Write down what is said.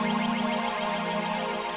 ya ambil rambut rambut